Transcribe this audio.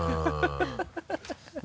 ハハハ